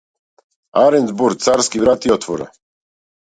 Арен збор царски врати отвора.